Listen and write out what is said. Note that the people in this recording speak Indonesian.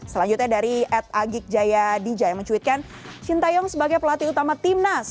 selanjutnya dari ed agik jaya dja yang mencuitkan shin taeyong sebagai pelatih utama timnas